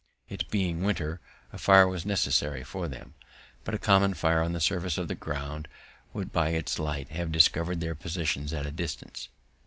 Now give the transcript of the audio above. It being winter, a fire was necessary for them; but a common fire on the surface of the ground would by its light have discover'd their position at a distance.